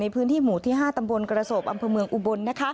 พื้นที่หมู่ที่๕ตำบลกระโสบอำเภอเมืองอุบล